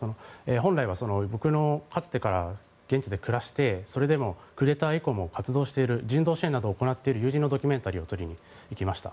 本来は僕のかつてから現地で暮らしてそれでクーデター以降も活動している人道支援などを行っている友人のドキュメンタリーを撮りに行きました。